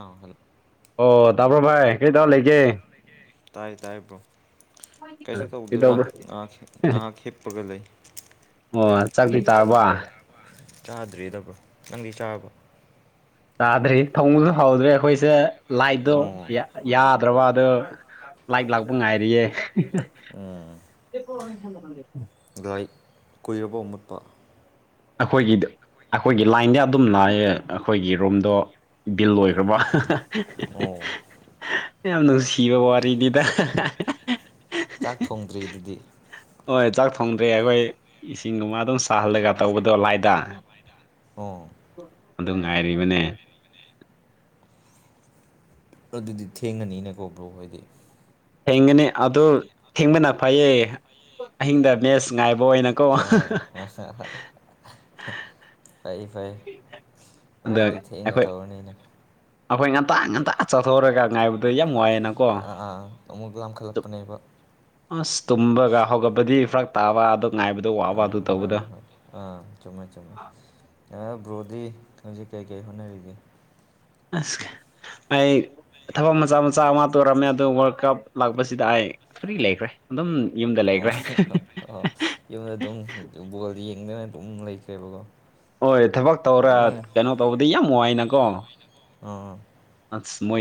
ꯑꯥ hello ꯑꯣ ꯇꯥꯕ꯭ꯔꯣ ꯚꯥꯏ ꯀꯔꯤ ꯇ ꯂꯩꯒꯦ ꯇꯥꯏ ꯇꯥꯏꯕ꯭ꯔꯣ ꯀꯩꯁꯨ ꯇꯧꯗꯦꯗ ꯀꯩꯗꯧꯕ꯭ꯔꯥ ꯉꯥꯏꯍ ꯉꯥꯏꯍꯥꯛ ꯈꯦꯞꯄꯒ ꯂꯩ ꯑꯣ ꯆꯥꯛꯄꯤ ꯇꯥꯔꯕ ꯆꯥꯗ꯭ꯔꯤꯗꯕ꯭ꯔꯣ ꯅꯪꯗꯤ ꯆꯥꯕ꯭ꯔꯣ ꯆꯥꯗ꯭ꯔꯤ ꯊꯃꯁꯨ ꯍꯧꯗ꯭ꯔꯦ ꯑꯩꯈꯣꯏꯁꯦ ꯂꯥꯏꯗꯣ ꯑꯣ ꯌꯥꯗ꯭ꯔꯕ ꯑꯗꯨ ꯂꯥꯏꯔꯤꯛ ꯂꯥꯛꯄ ꯉꯥꯏꯔꯤꯌꯦ ꯀꯣ ꯊ ꯂꯔꯤꯛ ꯀꯨꯏꯔꯕ ꯃꯨꯠꯄ ꯑꯩꯈꯣꯏꯒꯤꯗ ꯑꯩꯈꯣꯏꯒꯤ ꯂꯥꯏꯟꯗꯤ ꯑꯗꯨꯝ ꯂꯥꯛꯌꯦ ꯑꯩꯈꯣꯏꯒꯤ ꯔꯨꯝꯗꯣ ꯕꯤꯜ ꯑꯣꯏꯈ꯭ꯔꯕ ꯑꯣ ꯌꯥꯝ ꯅꯨꯡꯁꯤꯕ ꯋꯥꯔꯤꯅꯤꯗ ꯆꯥꯛ ꯊꯣꯡꯗ꯭ꯔꯤ ꯑꯗꯨꯗꯤ ꯍꯣꯏ ꯆꯥꯛ ꯊꯣꯡꯗ꯭ꯔꯦ ꯑꯩꯈꯣꯏ ꯏꯁꯤꯡꯒꯨꯝꯕ ꯑꯗꯨꯝ ꯁꯥꯍꯜꯂꯒ ꯇꯧꯕꯗꯣ ꯂꯥꯏꯗ ꯑꯣ ꯑꯗꯨ ꯉꯥꯏꯔꯤꯕꯅꯦ ꯑꯗꯨꯗꯤ ꯊꯦꯡꯉꯅꯤꯅꯀꯣ ꯕ꯭ꯔꯣ ꯍꯥꯏꯗꯤ ꯊꯦꯡꯒꯅꯤ ꯑꯗꯨ ꯊꯦꯡꯕꯅ ꯐꯩꯌꯦ ꯑꯍꯤꯡꯗ ꯕꯦꯁ ꯉꯥꯏꯕ ꯑꯣꯏꯅꯀꯣ ꯍ ꯍ [inaudible] ꯐꯩ ꯐꯩ ꯑꯗ ꯍꯣꯔꯦꯟꯗꯤ ꯊꯦꯡꯅ ꯑꯩꯈꯣꯏ ꯇꯧꯔꯅꯤꯅ ꯑꯩꯈꯣꯏ ꯉꯟꯇ ꯉꯟꯇ ꯆꯠꯊꯣꯛꯔꯒ ꯉꯥꯏꯕꯗꯨꯗ ꯌꯥꯝ ꯋꯥꯏꯑ ꯑꯥ ꯑꯃꯨꯛ ꯂꯥꯝꯈꯠꯂꯛꯄꯅꯦꯕ ꯑꯁ ꯇꯨꯝꯕꯒ ꯍꯧꯒꯠꯄꯗꯤ ꯐꯔꯛ ꯇꯥꯕ ꯑꯗꯣ ꯉꯥꯏꯕꯗꯣ ꯋꯥꯕ ꯑꯥ ꯑꯗꯨ ꯍꯣꯏ ꯇꯧꯕꯗꯣ ꯍꯣꯏ ꯑꯥ ꯆꯨꯝꯃꯦ ꯆꯨꯝꯃꯦ ꯕ꯭ꯔꯣꯗꯤ ꯍꯧꯖꯤꯛ ꯀꯩ ꯀꯩ ꯍꯣꯠꯅꯔꯤꯒꯦ ꯑꯁ ꯑꯩ ꯊꯕꯛ ꯃꯆꯥ ꯃꯆꯥ ꯑꯃ ꯇꯧꯔꯝꯃꯦ ꯑꯣ ꯋꯥꯔꯜ ꯀꯞ ꯂꯥꯛꯄꯁꯤꯗ ꯑꯩ ꯐ꯭ꯔꯤ ꯂꯩꯈ꯭ꯔꯦ ꯑꯗꯨꯝ ꯌꯨꯝ ꯌꯨꯝꯗ ꯑꯗꯨꯝ ꯕꯣꯜꯗꯤ ꯌꯦꯡꯗꯅ ꯑꯗꯨꯝ ꯂꯩꯈ꯭ꯔꯦꯕꯀꯣ ꯍꯣꯏ ꯊꯕꯛ ꯇꯧꯔ ꯀꯩꯅꯣ ꯇꯧꯕꯗꯤ ꯌꯥꯝ ꯅꯨꯡꯉꯏꯅꯀꯣ ꯑꯥ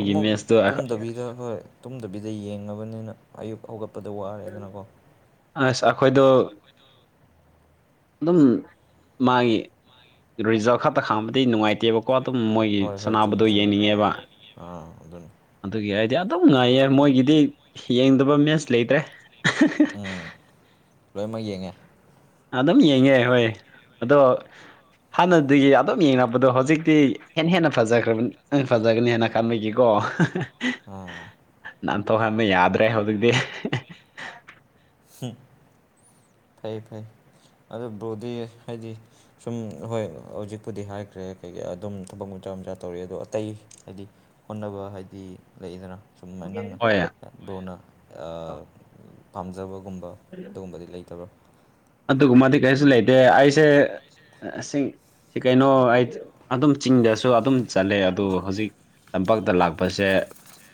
ꯑꯃꯨꯛ ꯇꯨꯝꯗꯕꯤꯗ ꯍꯣꯏ ꯇꯨꯝꯗꯕꯤꯗ ꯌꯦꯡꯉꯕꯅꯤꯅ ꯑꯌꯨꯛ ꯍꯧꯒꯠꯄꯗ ꯋꯥꯔꯦꯗꯅꯀꯣ ꯑꯁ ꯑꯩꯈꯣꯏꯗꯣ ꯑꯗꯨꯝ ꯃꯥꯒꯤ ꯔꯤꯖꯜ ꯈꯛꯇ ꯈꯥꯡꯝꯕꯗꯤ ꯅꯨꯡꯉꯥꯏꯇꯦꯕꯀꯣ ꯀꯣ ꯑꯗꯨꯝ ꯃꯣꯏꯒꯤ ꯍꯣꯏ ꯍꯣꯏ ꯆꯨꯝꯃꯦ ꯁꯕꯗꯣ ꯆꯨꯝꯃꯦ ꯌꯦꯡꯅꯤꯡꯉꯦꯕ ꯑꯥ ꯑꯗꯨꯅꯤ ꯑꯗꯨꯒꯤ ꯑꯥꯏꯗꯤꯌꯥ ꯑꯗꯨꯝ ꯉꯥꯏꯌꯦ ꯃꯣꯏꯒꯤꯗꯤ ꯌꯦꯡꯗꯕ ꯃꯦꯦꯟꯁ ꯂꯩꯇ꯭ꯔꯦ ꯎꯝ ꯂꯣꯏꯅꯃꯛ ꯌꯦꯡꯉꯦ ꯑꯗꯨꯝ ꯌꯦꯡꯉꯦ ꯍꯣꯏ ꯑꯗꯣ ꯍꯥꯟꯅꯗꯒꯤ ꯑꯗꯨꯝ ꯌꯦꯡꯅꯕꯗꯣ ꯍꯧꯖꯤꯛꯇꯤ ꯍꯦꯟꯅ ꯍꯦꯟꯅ ꯐꯖꯈ꯭ꯔꯕꯅꯤ ꯐꯖꯒꯅꯤ ꯍꯦꯟꯅ ꯀꯝꯃꯦꯗꯤꯀꯣ ꯑꯥ ꯅꯟꯊꯣꯛꯍꯟꯕ ꯌꯥꯗ꯭ꯔꯦ ꯍꯧꯖꯤꯛꯇꯤ ꯐꯩ ꯐꯩ ꯑꯗꯨ ꯭ꯔꯣꯗꯤ ꯍꯥꯏꯗꯤ ꯁꯨꯝ ꯍꯣꯏ ꯍꯧꯖꯤꯛꯄꯨꯗꯤ ꯍꯥꯏꯈ꯭ꯔꯦ ꯀꯩ ꯑꯗꯨꯝ ꯊꯕꯛ ꯃꯨꯆꯥ ꯃꯆꯥ ꯇꯧꯔꯛ ꯑꯗꯣ ꯑꯇꯩ ꯍꯥꯏꯗꯤ ꯍꯣꯠꯅꯕ ꯍꯥꯏꯗꯤ ꯂꯩꯗꯅ ꯁꯨꯝꯥꯏ ꯅꯪꯅ ꯍꯣꯏ ꯂꯨꯅ ꯄꯥꯝꯖꯕꯒꯨꯝꯕ ꯑꯗꯨꯒꯨꯝꯕꯗꯤ ꯂꯩꯇꯕ꯭ꯔꯣ ꯑꯗꯨꯒꯨꯝꯕꯗꯤ ꯀꯔꯤꯁꯨ ꯂꯩꯇꯦ ꯑꯩꯁꯦꯁꯤꯡ ꯁꯤ ꯀꯩꯅꯣ ꯑꯩ ꯑꯗꯨꯝ ꯆꯤꯡꯗꯁꯨ ꯑꯗꯨꯝ ꯆꯠꯂꯦ ꯑꯗꯣ ꯍꯧꯖꯤꯛ ꯇꯝꯄꯥꯛꯇ ꯂꯥꯛꯄꯁꯦ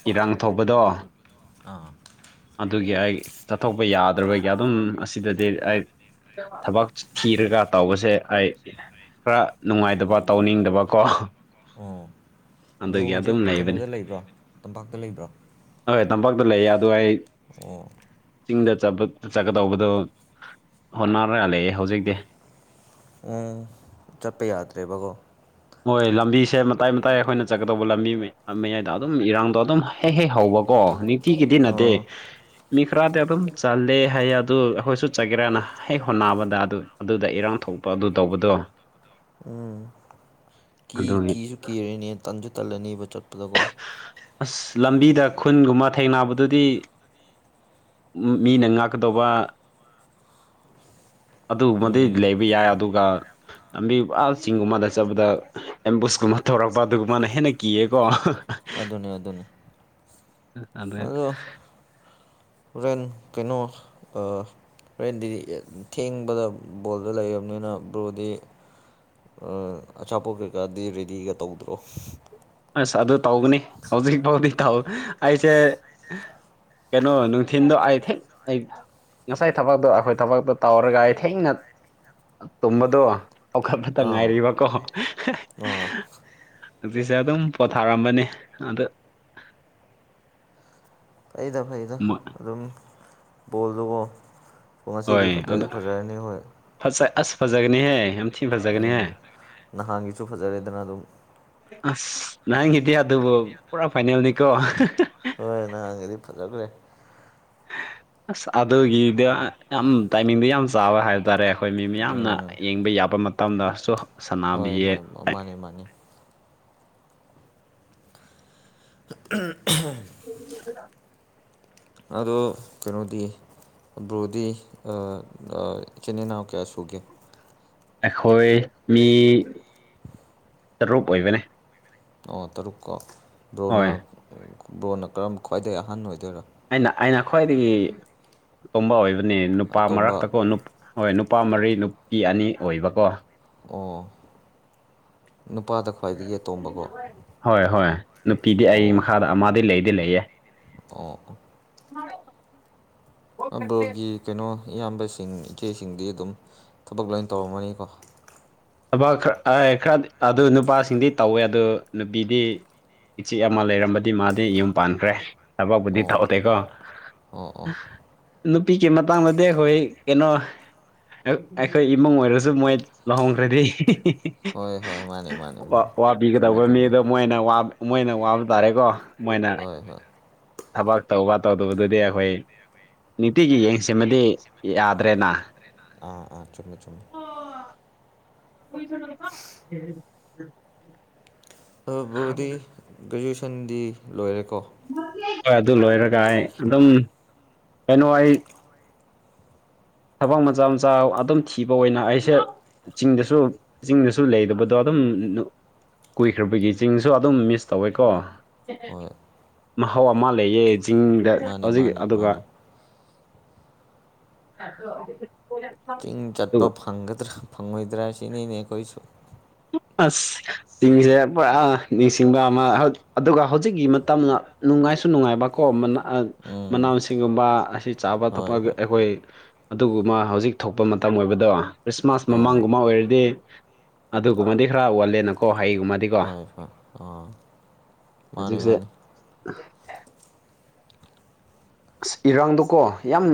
ꯏꯔꯥꯡ ꯊꯣꯛꯄꯗꯣ ꯑꯥ ꯑꯗꯨꯒꯤ ꯑꯩ ꯆꯠꯊꯣꯛꯄ ꯌꯥꯗ ꯑꯗꯨꯕꯒꯤ ꯑꯗꯨꯝ ꯑꯁꯤꯗꯗꯤ ꯑꯩ ꯊꯕꯛ ꯊꯤꯔꯒ ꯇꯧꯕꯁꯦ ꯑꯩ ꯈꯔ ꯅꯨꯡꯉꯥꯏꯇꯕ ꯇꯧꯅꯤꯡꯗꯕꯀꯣ ꯑꯣ ꯕ꯭ꯔꯣ ꯑꯗꯨꯒꯤ ꯑꯗꯨꯝ ꯍꯧꯖꯤꯛ ꯂꯩꯕꯅꯤ ꯀꯩꯅꯣꯗ ꯂꯩꯕ꯭ꯔꯣ ꯇꯝꯄꯥꯛꯇ ꯂꯩꯕ꯭ꯔꯣ ꯍꯣꯏ ꯇꯝꯄꯥꯛꯇ ꯂꯩꯌꯦ ꯑꯗꯨ ꯑꯩ ꯑꯣ ꯆꯤꯡꯗ ꯆꯠꯀꯗꯧꯕꯗꯨꯣ ꯍꯣꯠꯅꯔꯂꯑꯦ ꯍꯧꯖꯤꯛꯇꯤ ꯎꯝ ꯆꯠꯄ ꯌꯥꯗ꯭ꯔꯦꯕꯀꯣ ꯃꯣꯏ ꯂꯝꯕꯤꯁꯦ ꯃꯇꯥꯏ ꯃꯇꯥꯏ ꯑꯩꯈꯣꯏꯅ ꯆꯠꯀꯗꯧꯕ ꯂꯝꯕꯤ ꯃꯌꯥꯏꯗ ꯑꯗꯨꯝ ꯏꯔꯥꯡꯗꯣ ꯑꯗꯨꯝ ꯍꯦꯛ ꯍꯦꯛ ꯍꯧꯕꯀꯣ ꯅꯤ ꯇꯤꯒꯤ ꯅꯗꯦ ꯑꯥ ꯃꯤ ꯈꯔꯗꯤ ꯑꯗꯨꯝ ꯆꯜꯂꯦ ꯍꯥꯏ ꯑꯗꯨ ꯑꯩꯈꯣꯏꯁꯨ ꯆꯠꯒꯦꯔꯥꯅ ꯍꯦꯛ ꯍꯣꯠꯅꯕꯗ ꯑꯗꯨ ꯑꯗꯨꯗ ꯏꯔꯥꯡ ꯊꯣꯛꯄ ꯑꯗꯨ ꯇꯧꯕꯗꯣ ꯎꯝ ꯀꯤ ꯑꯗꯨꯒꯤ ꯀꯤꯖꯨ ꯀꯤꯔꯅꯤ ꯇꯟꯖꯨ ꯇꯜꯂꯅꯤꯕ ꯆꯠꯄꯗꯀꯣ ꯑꯁ ꯂꯝꯕꯤꯗ ꯈꯨꯟꯒꯨꯝꯕ ꯊꯩꯅꯕꯗꯨꯗꯤ ꯃꯤꯅ ꯉꯥꯛꯀꯗꯧꯕ ꯑꯗꯨꯒꯃꯗꯤ ꯎꯝ ꯂꯩꯕ ꯌꯥꯏ ꯑꯗꯨꯒ ꯂꯝꯕꯤ ꯑꯥ ꯆꯤꯡꯒꯨꯝꯕꯗ ꯆꯠꯕꯗ ꯑꯦꯝꯕꯨꯁꯀꯨꯝꯕ ꯇꯧꯔꯛꯄ ꯑꯗꯨꯒꯨꯝꯕꯅ ꯍꯦꯟꯅ ꯀꯤꯌꯦꯀꯣ ꯑꯗꯨꯅꯦ ꯑꯗꯨꯅꯦ ꯑꯗꯨ ꯑꯗꯣ ꯍꯣꯔꯦꯟ ꯀꯩꯅꯣ ꯑꯥ ꯍꯣꯔꯦꯟꯗꯤ ꯊꯦꯡꯕꯗ ꯕꯣꯜꯗ ꯂꯩꯔꯕꯝꯅꯤꯅ ꯕ꯭ꯔꯣꯗꯤ ꯑꯆꯥꯄꯣꯠ ꯀꯩꯀꯥꯗꯤ ꯔꯦꯗꯤꯒ ꯇꯧꯗ꯭ꯔꯣ ꯑꯁ ꯑꯗꯨ ꯇꯧꯒꯅꯤ ꯍꯧꯖꯤꯛ ꯐꯥꯎꯗꯤ ꯇꯥꯎ ꯑꯩꯁꯦ ꯀꯩꯅꯣ ꯅꯨꯡꯊꯤꯟꯗꯣ ꯑꯩ ꯊꯦ ꯑꯩ ꯉꯁꯥꯏ ꯊꯕꯛꯇꯣ ꯑꯩꯈꯣꯏ ꯊꯕꯛꯇꯣ ꯇꯧꯔꯒ ꯑꯩ ꯊꯦꯡꯅ ꯇꯨꯝꯕꯗꯣ ꯍꯧꯈꯠꯄꯇ ꯑꯥ ꯉꯥꯏꯔꯤꯕꯀꯣ ꯑꯥ ꯖꯥ ꯑꯗꯨꯝ ꯄꯣꯊꯥꯔꯝꯕꯅꯦ ꯑꯗꯨ ꯐꯩꯗ ꯐꯩꯗ ꯑꯗꯨꯝ ꯕꯣꯜꯗꯨꯒꯣ ꯉꯁꯤꯗꯤ ꯍꯣꯏ ꯐꯖꯁꯨ ꯑꯗ ꯐꯖꯔꯅꯤ ꯍꯣꯏ ꯐꯖ ꯑꯁ ꯐꯖꯒꯅꯤꯍꯦ ꯌꯥꯝ ꯊꯤ ꯐꯖꯒꯅꯤꯍꯦ ꯎꯝ ꯅꯍꯥꯟꯒꯤꯁꯨ ꯐꯖꯔꯦꯗꯅ ꯑꯗꯨꯝ ꯑꯁ ꯅꯍꯟꯒꯤꯗꯤ ꯑꯗꯨꯕꯨ ꯄꯨꯔꯥ ꯐꯥꯏꯅꯦꯜꯅꯤꯀꯣ ꯍꯣꯏ ꯅꯍꯥꯟꯒꯗꯤ ꯐꯖꯒ꯭ꯔꯦ ꯑꯁ ꯑꯗꯨꯒꯤꯗ ꯌꯥꯝ ꯇꯥꯏꯃꯤꯡꯗ ꯌꯥꯝ ꯆꯥꯕ ꯍꯥꯏꯕ ꯇꯥꯔꯦ ꯑꯩꯈꯣꯏ ꯃꯤ ꯃꯤꯌꯥꯝꯅ ꯎꯝ ꯌꯦꯡꯕ ꯌꯥꯕ ꯃꯇꯝꯗꯁꯨ ꯍꯣꯏ ꯁꯥꯟꯅꯕꯤꯌꯦ ꯍꯣꯏ ꯃꯥꯅꯦ ꯃꯥꯅꯦ [unintelligible] ꯑꯗꯣ ꯀꯩꯅꯣꯗꯤ ꯕ꯭ꯔꯣꯗꯤ ꯑ ꯑ ꯏꯆꯤꯟ ꯏꯅꯥꯎ ꯀꯌꯥ ꯁꯨꯒꯦ ꯑꯩꯈꯣꯏ ꯃꯤ ꯇꯔꯨꯞ ꯑꯣꯏꯕꯅꯦ ꯑꯣ ꯇꯔꯨꯛ ꯀꯣ ꯕ꯭ꯔꯣꯅ ꯍꯣꯏ ꯕ꯭ꯔꯣꯅ ꯀꯔꯝ ꯈ꯭ꯋꯥꯏꯗꯒꯤ ꯑꯍꯥꯟ ꯑꯣꯏꯗꯣꯏꯔꯥ ꯑꯩꯅ ꯑꯩꯅ ꯈ꯭ꯋꯥꯏꯗꯒꯤ ꯇꯣꯝꯕ ꯑꯣꯏꯕꯅꯤ ꯅꯨꯄꯥ ꯑꯇꯣꯝꯕ ꯃꯔꯛꯇꯀꯣ ꯅꯨꯞ ꯍꯣꯏ ꯅꯨꯄꯥ ꯃꯔꯤ ꯅꯨꯄꯤ ꯑꯅꯤ ꯑꯣꯏꯕꯀꯣ ꯑꯣ ꯅꯨꯄꯥꯗ ꯈ꯭ꯋꯥꯏꯗꯒꯤ ꯑꯇꯣꯝꯕꯀꯣ ꯍꯣꯏ ꯍꯣꯏ ꯅꯨꯄꯤꯗꯤ ꯑꯩ ꯃꯈꯥꯗ ꯑꯃꯗꯤ ꯂꯩꯗꯤ ꯂꯩꯌꯦ ꯑꯣ ꯑꯣ ꯕ꯭ꯔꯣꯒꯤ ꯀꯩꯅꯣ ꯏꯌꯥꯝꯕꯁꯤꯡ ꯏꯆꯦꯁꯤꯡꯗꯤ ꯑꯗꯨꯝ ꯊꯕꯛ ꯂꯣꯏ ꯇꯧꯔꯝꯃꯅꯤꯀꯣ ꯊꯕꯥꯛ ꯈꯔ ꯑꯦ ꯈꯔꯗꯤ ꯑꯗꯨ ꯅꯨꯄꯥꯁꯤꯡꯗꯤ ꯇꯧꯋꯦ ꯑꯗꯨ ꯅꯨꯄꯤꯗꯤ ꯏꯆꯦ ꯑꯃ ꯂꯩꯔꯝꯕꯗꯤ ꯃꯥꯗꯤ ꯌꯨꯝ ꯄꯥꯟꯈ꯭ꯔꯦ ꯊꯕꯛꯄꯕꯨꯗꯤ ꯑꯣ ꯇꯧꯗꯦꯀꯣ ꯑꯣ ꯑꯣ ꯅꯨꯄꯤꯒꯤ ꯃꯇꯥꯡꯗꯗꯤ ꯑꯩꯈꯣꯏ ꯀꯩꯅꯣ ꯑꯩꯈꯣꯏ ꯏꯃꯨꯡ ꯑꯣꯏꯔꯁꯨ ꯃꯣꯏ ꯂꯨꯍꯣꯡꯈ꯭ꯔꯗꯤ ꯍꯣꯏ ꯍꯣꯏ ꯃꯥꯅꯦ ꯃꯥꯅꯦ ꯃꯥꯅꯦ ꯆꯨꯝꯃꯦ ꯆꯨꯝꯃꯦ ꯃꯣꯏꯅꯕ ꯋꯥꯕ ꯃꯣꯏꯅ ꯋꯥꯕ ꯇꯥꯔꯦꯀꯣ ꯃꯣꯏꯅ ꯍꯣꯏ ꯍꯣꯏ ꯊꯕꯛ ꯇꯧꯕ ꯇꯧꯗꯕꯗꯨꯗꯤ ꯑꯩꯈꯣꯏ ꯅꯤꯇꯤꯒꯤ ꯌꯦꯡꯁꯟꯕꯗꯤ ꯌꯥꯗ꯭ꯔꯦꯅ ꯑꯥ ꯑꯥ ꯆꯨꯝꯃꯦ ꯆꯨꯝ [unintelligible] ꯕꯣꯔꯣꯗꯤ ꯒ꯭ꯔꯦꯖꯨꯑꯦꯁꯟꯗꯤ ꯂꯣꯏꯔꯦꯀꯣ ꯍꯣꯏ ꯑꯗꯨ ꯂꯣꯏꯔꯒ ꯑꯩ ꯑꯗꯨꯝ ꯀꯩꯅꯣ ꯑꯩ ꯊꯕꯛ ꯃꯆꯥ ꯃꯆꯥ ꯑꯗꯨꯝ ꯊꯤꯕ ꯑꯣꯏꯅ ꯑꯩꯁꯦ ꯆꯤꯡꯗꯁꯨ ꯆꯤꯡꯗꯁꯨ ꯂꯩꯕꯗꯣ ꯑꯗꯨꯝ ꯀꯨꯏꯈ꯭ꯔꯕꯒꯤ ꯆꯤꯡꯁꯨ ꯑꯗꯨꯝ ꯃꯤꯁ ꯇꯧꯋꯦꯀꯣ ꯍꯣꯏ ꯃꯍꯥꯎ ꯑꯃ ꯂꯩꯌꯦ ꯆꯤꯡꯗ ꯃꯥꯅꯦ ꯍꯧꯖꯤꯛ ꯃꯥꯅꯦ ꯑꯗꯨꯒ ꯃꯥꯅꯦ ꯍꯣ [inaudible] ꯍ [inaudible] ꯏꯪ ꯆꯠꯄ ꯐꯪꯒꯗ꯭ꯔꯥ ꯐꯪꯉꯣꯏꯗ꯭ꯔꯥ ꯁꯤꯅꯤꯅꯦ ꯑꯩꯈꯣꯏꯁꯨ ꯑꯁ ꯆꯤꯡꯁꯦ ꯄꯨꯔꯥ ꯅꯤꯡꯁꯤꯡꯕ ꯑꯃ ꯑꯗꯨꯒ ꯍꯧꯖꯤꯛꯀꯤ ꯃꯇꯝꯅ ꯅꯨꯡꯉꯥꯏꯁꯨ ꯅꯨꯡꯉꯥꯏꯕ ꯀꯣ ꯃꯅꯥ ꯎꯝ ꯃꯁꯤꯡꯒꯨꯝꯕ ꯑꯁꯤ ꯆꯥꯕ ꯍꯣꯏ ꯊꯛꯄꯒ ꯍꯣꯏ ꯑꯩꯈꯣꯏ ꯑꯗꯨꯒꯨꯝꯕ ꯍꯧꯖꯤꯛ ꯊꯣꯛꯄ ꯃꯇꯝ ꯑꯣꯏꯕꯗꯣ ꯈ꯭ꯔꯤꯁꯃꯥꯁ ꯑꯥ ꯃꯃꯥꯡꯒꯨꯝꯕ ꯑꯣꯏꯔꯗꯤ ꯑꯗꯨꯒꯨꯝꯕꯗꯤ ꯈꯔ ꯑꯣꯜꯂꯦꯅꯀꯣ ꯍꯩꯒꯨꯝꯕꯗꯤꯀꯣ ꯍꯣꯏ ꯍꯣꯏ ꯑꯥ ꯃꯥꯅꯦ ꯍꯧꯖꯤꯛꯁꯦ ꯃꯥꯅꯦ ꯑꯁ ꯏꯔꯥꯡꯗꯣꯀꯣ ꯌꯥꯝ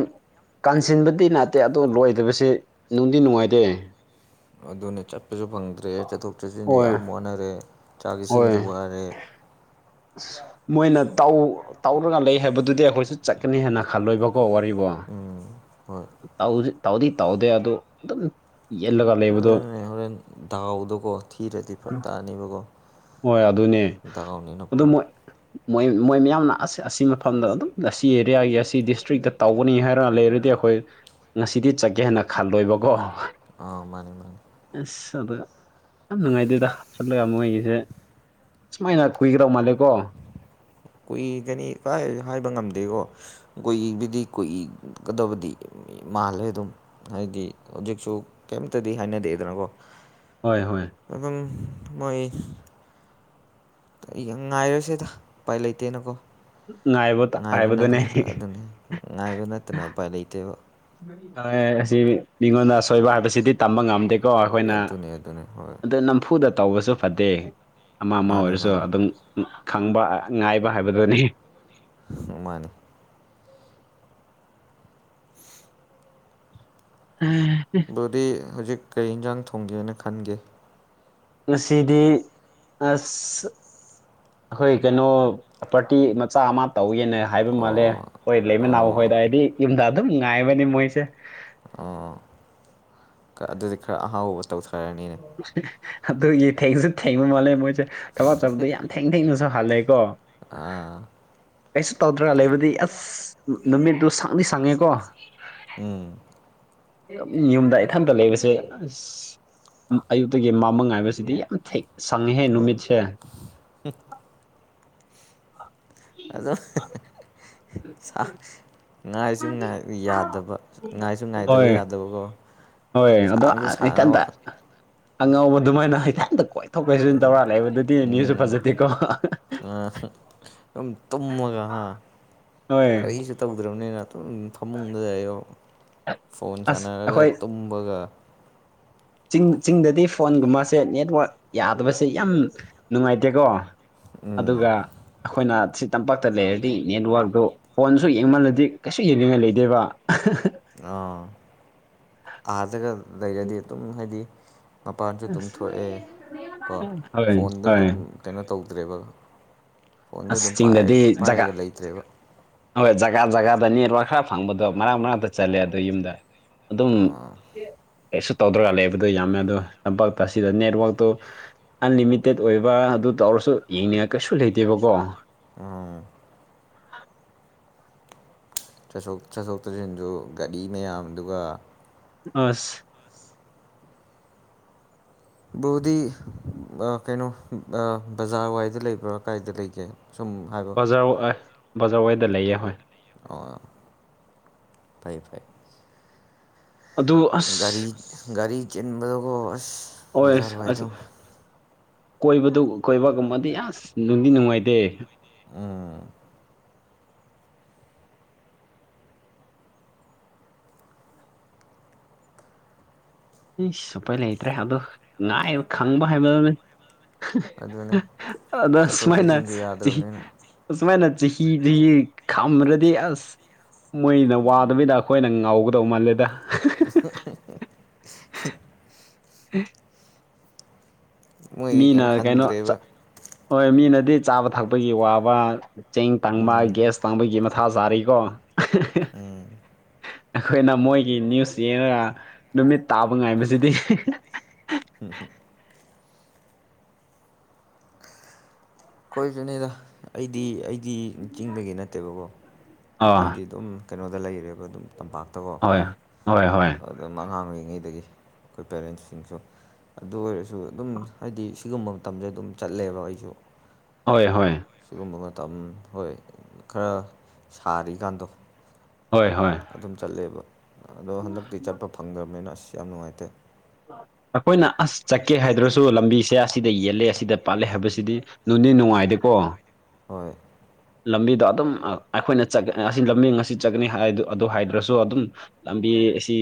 ꯀꯥꯟꯁꯤꯟꯕꯗꯤ ꯠꯇꯦ ꯑꯗꯣ ꯂꯣꯏꯗꯕꯕꯁꯤ ꯅꯨꯡꯗꯤ ꯅꯨꯡꯉꯥꯏꯇꯦ ꯑꯗꯨꯅ ꯆꯠꯄꯁꯨ ꯐꯪꯗ꯭ꯔꯦ ꯆꯠꯊꯣꯛ ꯆꯠꯁꯤꯟꯁꯨ ꯍꯣꯏ ꯌꯥꯝ ꯋꯥꯅꯔꯦ ꯆꯥꯛ ꯏꯁꯤꯡꯁꯨ ꯋꯥꯔꯦ ꯑ ꯃꯣꯏꯅ ꯇꯧ ꯇꯧꯔꯒ ꯂꯩ ꯍꯥꯏꯕꯗꯨꯗꯤ ꯑꯩꯈꯣꯏꯁꯨ ꯆꯠꯀꯅꯤ ꯍꯥꯏꯅ ꯈꯜꯂꯣꯏꯕꯀꯣ ꯋꯥꯔꯤꯕꯣ ꯎꯝ ꯍꯣꯏ ꯇꯥꯎꯗꯤ ꯇꯧꯗꯦ ꯑꯗꯨꯗꯣ ꯑꯗꯨꯝ ꯌꯦꯜꯂꯒ ꯂꯩꯕꯗꯣ ꯊꯥꯎꯗꯣꯀꯣ ꯊꯤꯔꯗꯤ ꯐꯛ ꯇꯛꯑꯅꯤꯕꯀꯣ ꯍꯣꯏ ꯑꯗꯨꯅꯦ ꯑꯗꯨ ꯄꯨꯔꯥ ꯃꯣꯏ ꯃꯣꯏ ꯃꯣꯏ ꯃꯌꯥꯝꯅ ꯑꯁ ꯑꯁꯤ ꯃꯐꯝꯗ ꯑꯗꯨꯝ ꯑꯁꯤ ꯑꯦꯔꯤꯌꯥꯒꯤ ꯑꯁꯤ ꯗꯤꯁꯇ꯭ꯔꯤꯛꯇ ꯇꯧꯕꯅꯤ ꯍꯥꯏꯔꯒ ꯂꯩꯔ ꯗꯤ ꯑꯩꯈꯣꯏ ꯉꯁꯤꯗꯤ ꯆꯠꯀꯦ ꯍꯥꯏꯅ ꯈꯜꯂꯣꯏꯕꯀꯣ ꯑ ꯃꯥꯅꯤ ꯃꯥꯅꯤ ꯑꯁ ꯑꯗ ꯌꯥꯝ ꯅꯨꯡꯉꯥꯏꯗꯦꯗ ꯆꯠꯂꯒꯨ ꯑꯩꯒꯤꯁꯦ ꯁꯨꯃꯥꯏꯅ ꯀꯨꯏꯈ꯭ꯔꯧ ꯃꯥꯜꯂꯦꯀꯣ ꯀꯨꯏꯒꯅꯤ ꯀꯥꯏ ꯍꯥꯏꯕ ꯉꯝꯗꯦꯀꯣ ꯀꯣꯏ ꯏꯕꯤꯗꯤ ꯀꯣꯏ ꯏꯒꯗꯕꯗꯤ ꯃꯥꯜꯂꯦ ꯑꯗꯨꯝ ꯍꯥꯏꯗꯤ ꯍꯧꯖꯤꯛꯁꯨ ꯀꯩꯝꯇꯗꯤ ꯍꯥꯏꯅꯗꯦꯗꯅꯀꯣ ꯍꯣꯏ ꯍꯣꯏ ꯑꯗꯨꯝ ꯃꯥꯏ ꯉꯥꯏꯔꯣꯏꯁꯦꯗ ꯎꯄꯥꯏ ꯂꯩꯇꯦꯅꯀꯣ ꯉꯥꯏꯕ ꯍꯥꯏꯕꯗꯨꯅꯦ ꯉꯥꯏꯕꯅꯗꯅ ꯑꯗꯨꯅꯤ ꯉꯥꯏꯕ ꯅꯠꯇꯅ ꯎꯄꯥꯏ ꯂꯩꯇꯦꯕ ꯑ ꯃꯤꯉꯣꯟꯗ ꯁꯣꯏꯕ ꯍꯥꯕꯁꯤꯗꯤ ꯇꯝꯕ ꯉꯝꯗꯦꯀꯣ ꯑꯩꯈꯣꯏꯅ ꯑꯗꯨꯅꯤ ꯑꯗꯨꯅꯤ ꯍꯣꯏ ꯑꯗꯨꯗ ꯅꯝꯐꯨꯗ ꯇꯧꯕꯁꯨ ꯐꯠꯇꯦ ꯑꯃ ꯑꯃ ꯃꯥꯅꯤ ꯑꯣꯏꯔꯁꯨ ꯃꯥꯅꯤ ꯑꯗꯨꯝ ꯈꯪꯕ ꯉꯥꯏꯕ ꯍꯥꯏꯕꯗꯨꯅꯤ ꯃꯥꯅꯤ ꯎꯝ [inaudible] ꯑꯗꯨꯗꯤ ꯍꯧꯖꯤꯛ ꯀꯔꯤ ꯌꯦꯟꯖꯥꯡ ꯊꯣꯡꯒꯦꯅ ꯈꯟꯒꯦ ꯉꯁꯤꯗꯤ ꯑꯁ ꯑꯩꯈꯣꯏ ꯀꯩꯅꯣ ꯄ꯭ꯔꯣ ꯄꯔꯇꯤ ꯃꯆꯥ ꯑꯃ ꯇꯧꯋꯦꯅ ꯍꯥꯏꯕ ꯃꯥꯜꯂꯦ ꯑꯣ ꯍꯣꯏ ꯂꯩꯃ ꯑꯣ ꯅꯥꯕꯈꯣꯏꯗ ꯍꯥꯏꯗꯤ ꯌꯨꯝꯗ ꯑꯗꯨꯝ ꯉꯥꯏꯕꯅꯤ ꯃꯣꯏꯁꯦ ꯑꯣ ꯑꯗꯨꯗꯤ ꯈꯔ ꯑꯍꯥꯎꯕꯥꯎꯕ ꯇꯧꯊꯔꯅꯤꯅꯦ ꯑꯗꯨꯒꯤ ꯊꯦꯡꯁꯨ ꯊꯦꯡꯕ ꯃꯥꯜꯂꯦ ꯃꯣꯏꯁꯦ ꯊꯕꯛ ꯆꯕꯗꯣ ꯌꯥꯝ ꯊꯦꯡ ꯊꯦꯡꯅꯁꯨ ꯍꯜꯂꯦꯀꯣ ꯑꯥ ꯀꯩꯁꯨ ꯇꯧꯗ꯭ꯔꯒ ꯂꯩꯕꯗꯤ ꯑꯁ ꯅꯨꯃꯤꯠꯇꯨ ꯁꯪꯂꯤ ꯁꯪꯉꯦꯀꯣ ꯎꯝ ꯌꯨꯝꯗ ꯏꯊꯟꯇ ꯂꯩꯕꯁꯦ ꯑꯁ ꯑꯌꯨꯛꯇꯒꯤ ꯃꯃ ꯍꯥꯏꯕꯁꯤꯗꯤ ꯌꯥꯝ ꯊ ꯁꯪꯍꯦ ꯅꯨꯃꯤꯠꯁꯦ ꯍ [inaudible] ꯑꯗꯣ ꯁꯥ ꯉꯥꯏꯁꯨ ꯌꯥꯗꯕ ꯉꯥꯏꯁꯨ ꯉꯥꯏꯗꯕ ꯍꯣꯏ ꯌꯥꯗꯕꯀꯣ ꯍꯣꯏ ꯑꯗꯣ ꯁꯥꯡꯁꯨ ꯏꯊꯟꯇ ꯁꯥꯡꯉꯕ ꯑꯉꯧꯕ ꯑꯗꯨꯃꯥꯏꯅ ꯏꯊꯟꯇ ꯀꯣꯏ ꯊꯣꯛꯣꯛꯄꯩꯁꯨ ꯑꯗꯨ ꯇꯧꯔꯥꯂꯦꯕ ꯑꯗꯨꯗꯤ ꯃꯤꯁꯨ ꯎꯝ ꯐꯖꯗꯦꯀꯣ ꯁꯨꯝ ꯇꯨꯝꯃꯒ ꯍꯥ ꯍꯣꯏ ꯀꯔꯤꯁꯨ ꯇꯧꯗ꯭ꯔꯕꯅꯤꯅ ꯑꯗꯨꯝ ꯐꯃꯨꯡꯗꯗ ꯑꯌꯣ ꯐꯣꯟ ꯑꯁ ꯁꯥꯟꯅꯔꯒ ꯑꯩꯈꯣꯏ ꯇꯨꯝꯕꯒ ꯆꯤꯡ ꯆꯤꯡꯗꯗꯤ ꯐꯣꯟꯒꯨꯝꯕꯁꯦ ꯅꯦꯠꯋꯥꯛ ꯌꯥꯗꯕꯁꯦ ꯌꯥꯝ ꯅꯨꯡꯉꯥꯏꯇꯦꯀꯣ ꯎꯝ ꯑꯗꯨꯒ ꯑꯩꯈꯣꯏꯅ ꯁꯤ ꯇꯝꯄꯥꯛꯇ ꯂꯩꯔꯗꯤ ꯅꯦꯠꯋꯥꯛꯛꯇꯨ ꯐꯣꯟꯁꯨ ꯌꯦꯡꯃꯜꯂꯗꯤ ꯀꯩꯁꯨ ꯌꯦꯡꯅꯤꯡꯉꯥꯏ ꯂꯩꯗꯦꯕ ꯑꯥ ꯑꯥꯖꯒ ꯂꯩꯔꯗꯤ ꯑꯗꯨꯝ ꯍꯥꯏꯗꯤ ꯃꯄꯥꯟꯁꯨ ꯑꯗꯨꯝ ꯑꯁ ꯊꯣꯛꯑꯦ ꯀꯣ ꯍꯣꯏ ꯐꯣꯟꯗ ꯍꯣꯏ ꯑꯗꯨꯝ ꯀꯩꯅꯣ ꯇꯧꯗ꯭ꯔꯦꯕ ꯐꯣꯟꯗ ꯑꯁ ꯑꯗꯨꯝ ꯆꯤꯡꯗꯗꯤ ꯖꯒꯥ ꯄꯥꯏꯔꯒ ꯂꯩꯇ꯭ꯔꯦꯕ ꯍꯣꯏ ꯖꯒꯥ ꯖꯒꯥꯗ ꯅꯦꯠꯋꯔꯛ ꯈꯔ ꯐꯪꯕꯗꯣ ꯃꯔꯛ ꯃꯔꯅꯥꯛꯇ ꯆꯜꯂꯦ ꯑꯗꯣ ꯌꯨꯝꯗ ꯑꯗꯨꯝ ꯑꯥ ꯀꯩꯁꯨ ꯇꯧꯗ꯭ꯔꯒ ꯂꯩꯕꯗꯣ ꯌꯥꯝꯃꯦ ꯑꯗꯣ ꯇꯝꯄꯥꯛꯇ ꯑꯁꯤꯗ ꯅꯦꯠꯋꯥꯛꯇꯨ ꯑꯟꯂꯤꯃꯤꯇꯦꯠ ꯑꯣꯏꯕ ꯑꯗꯨ ꯇꯧꯔꯁꯨ ꯌꯦꯡꯅꯤꯡꯉ ꯀꯩꯁꯨ ꯂꯩꯇꯦꯕꯀꯣ ꯎꯝ ꯆꯠꯊꯣꯛ ꯆꯠꯊꯣꯛ ꯆꯠꯁꯤꯟꯁꯨ ꯒꯥꯔꯤ ꯃꯌꯥꯝꯗꯨꯒ ꯑꯁ ꯕꯕꯨꯗꯤ ꯀꯩꯅꯣ ꯕꯖꯥꯔ ꯋꯥꯏꯗ ꯂꯩꯕ꯭ꯔꯥ ꯀꯥꯏꯗ ꯂꯩꯒꯦ ꯁꯨꯝ ꯍꯥꯏꯕ ꯕꯖꯥꯔ ꯕꯖꯥꯔꯋꯗ ꯂꯩꯌꯦꯦ ꯍꯣꯏ ꯑ ꯐꯩ ꯐꯩ ꯑꯗꯨ ꯒꯥꯔꯤ ꯑꯁ ꯒꯥꯔꯤ ꯆꯤꯟꯕꯗꯨꯒꯣ ꯑꯁ ꯍꯣꯏ ꯑꯁ ꯍꯖꯥꯔꯨꯋꯥꯏꯗꯣ ꯀꯣꯏꯕꯗꯨ ꯀꯣꯏꯕꯒꯨꯝꯕꯗꯤ ꯑꯁ ꯅꯨꯡꯗꯤ ꯅꯨꯡꯉꯥꯏꯇꯦ ꯎꯝ ꯑꯩ ꯁꯨꯄꯩ ꯂꯩꯇ꯭ꯔꯦ ꯑꯗꯨꯗ ꯉꯥꯏ ꯈꯪꯕ ꯍꯥꯏꯕꯗꯨꯅꯦ ꯑꯗꯨꯅꯦ ꯑꯗ ꯆꯠꯊꯣꯛ ꯁꯨꯃꯥꯏꯅ ꯆꯠꯁꯤꯟꯁꯨ ꯌꯥꯗ꯭ꯔꯕꯅꯤꯅ ꯎꯃ ꯅ ꯆꯍꯤꯗꯤ ꯈꯝ ꯔꯗ ꯑꯁ ꯃꯣꯏꯅ ꯋꯥꯗꯕꯤꯗ ꯑꯩꯈꯣꯏꯅ ꯉꯧꯒꯗꯧ ꯃꯥꯜꯂꯦꯗ [unintelligible] ꯎꯝ ꯃꯣꯏꯗꯤ ꯀꯩꯝ ꯃꯤꯅ ꯀꯩꯅꯣ ꯈꯟꯗ꯭ꯔꯦꯕ ꯍꯣꯏ ꯃꯤꯅꯗꯤ ꯆꯥꯕ ꯊꯛꯄꯒꯤ ꯋꯥꯕ ꯆꯦꯡ ꯇꯥꯡꯕ ꯎꯝ ꯒ꯭ꯌꯥꯁ ꯇꯥꯡꯕꯒꯤ ꯃꯊꯥ ꯆꯥꯔꯤꯀꯣ ꯎꯝ ꯑꯩꯈꯣꯏꯅ ꯃꯣꯏꯒꯤ ꯅ꯭ꯌꯨꯁ ꯌꯦꯡꯉꯒ ꯅꯨꯃꯤꯠ ꯇꯥꯕ ꯉꯥꯏꯕꯁꯤꯗꯤ ꯍꯣꯏ ꯀꯅꯦꯗ ꯑꯩꯗꯤ ꯑꯩꯗꯤ ꯆꯤꯡꯗꯒꯤ ꯅꯠꯇꯦꯕꯀꯣ ꯑꯥ ꯑꯩꯗꯤ ꯑꯗꯨꯝ ꯀꯩꯅꯣꯗ ꯂꯩꯔꯦꯕ ꯑꯗꯨꯝ ꯇꯝꯄꯥꯛꯇꯀꯣ ꯍꯣꯏ ꯍꯣꯏ ꯍꯣꯏ ꯑꯗꯨꯝ ꯑꯉꯥꯡ ꯑꯣꯏꯔꯤꯉꯩꯗꯒꯤ ꯑꯩꯈꯣꯏ ꯄꯦꯔꯦꯟꯁꯁꯤꯡꯁꯨ ꯑꯗꯨ ꯑꯣꯏꯔꯁꯨ ꯑꯗꯨꯝ ꯍꯥꯏꯗꯤ ꯁꯤꯒꯨꯝꯕ ꯃꯇꯝꯁꯦ ꯑꯗꯨꯝ ꯆꯠꯂꯦꯕ ꯑꯩꯁꯨ ꯍꯣꯏ ꯍꯣꯏ ꯁꯤꯒꯨꯝꯕ ꯃꯇꯝ ꯍꯣꯏ ꯈꯔ ꯁꯥꯔꯤꯀꯥꯟꯗꯣ ꯍꯣꯏ ꯍꯣꯏ ꯑꯗꯨꯝ ꯆꯠꯂꯦꯕ ꯑꯗꯣ ꯍꯟꯗꯛꯇꯤ ꯆꯠꯄ ꯐꯪꯗ꯭ꯔꯕꯅꯤꯅ ꯑꯁ ꯌꯥꯝ ꯅꯨꯡꯉꯥꯏꯇꯦ ꯑꯩꯈꯣꯏꯅ ꯑꯁ ꯆꯠꯀꯦ ꯍꯥꯏꯗ꯭ꯔꯁꯨ ꯂꯝꯕꯤꯁꯦ ꯑꯁꯤꯗ ꯌꯦꯜꯂꯦ ꯑꯁꯤꯗ ꯄꯥꯠꯂꯦ ꯍꯥꯏꯕꯁꯤꯗꯤ ꯅꯅꯨꯡꯗꯤ ꯅꯨꯡꯉꯥꯏꯗꯦꯀꯣ ꯍꯣꯏ [inaudible] ꯂꯝꯕꯤꯗꯣ ꯑꯗꯨꯝ ꯑꯩꯈꯣꯏꯅ ꯑꯁꯤ ꯂꯝꯕꯤ ꯑꯁꯤꯁꯤ ꯆꯠꯒꯅꯤ ꯍꯥꯏ ꯑꯗꯨ ꯍꯥꯏꯗ꯭ꯔꯁꯨ ꯑꯗꯨꯝ ꯂꯝꯕꯤ ꯑꯁꯤ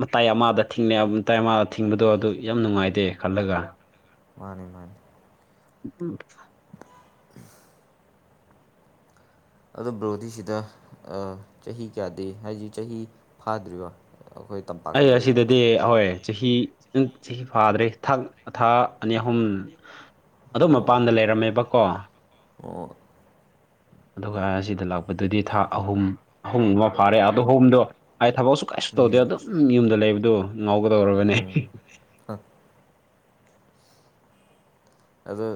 ꯃꯇꯥꯏ ꯑꯃꯗ ꯊꯤꯡꯅꯩ ꯇꯥꯏ ꯊꯤꯡꯕꯗꯣ ꯑꯗꯨ ꯌꯥꯝ ꯅꯨꯡꯉꯥꯏꯇꯦ ꯈꯜꯂꯒ ꯃꯥꯅꯤ ꯃꯥꯅꯤ ꯎꯝ ꯑꯣ ꯕ꯭ꯔꯣꯗꯤꯁꯤꯗ ꯆꯍꯤ ꯀꯌꯥꯗꯤ ꯍꯥꯏꯁꯤ ꯆꯍꯤ ꯐꯥꯗ꯭ꯔꯤꯕꯔꯤꯕꯣ ꯑꯩ ꯑꯁꯤꯗꯗꯤ ꯑꯩꯍꯣꯏ ꯆꯍꯤ ꯪ ꯆꯍꯤ ꯐꯥꯗ꯭ꯔꯦ ꯊꯥꯛ ꯊꯥ ꯑꯅꯤ ꯑꯍꯨꯝ ꯑꯗꯨ ꯑꯣ ꯃꯄꯥꯟꯗ ꯂꯩꯔꯝꯃꯦꯕ ꯀꯣ ꯑꯣ ꯑꯗꯨꯒ ꯑꯁꯤꯗ ꯂꯥꯛꯄꯗꯨꯗꯤ ꯊꯥ ꯑꯍꯨꯝ ꯑꯍꯨꯝ ꯑꯃ ꯐꯥꯔꯦ ꯑ ꯑꯍꯨꯝꯗꯣ ꯑꯩ ꯊꯕꯛ ꯀꯩꯁꯨ ꯎꯝ ꯇꯧꯗꯦ ꯑꯗꯨꯝ ꯌꯨꯝꯗ ꯂꯩꯕꯗꯨ ꯉꯥꯎꯒꯗꯧꯔꯕꯅꯦ ꯊꯥ [inaudible] ꯑꯗꯨ